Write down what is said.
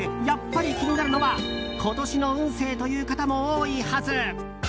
やっぱり気になるのは今年の運勢という方も多いはず。